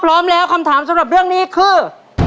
พร้อมแล้วคำถามสำหรับเรื่องนี้คือ